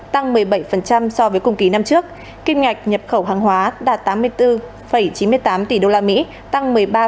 tăng một mươi bảy so với cùng kỳ năm trước kim ngạch nhập khẩu hàng hóa đạt tám mươi bốn chín mươi tám tỷ usd tăng một mươi ba bốn